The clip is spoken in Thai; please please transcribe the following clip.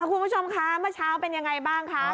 คุณผู้ชมคะเมื่อเช้าเป็นยังไงบ้างคะ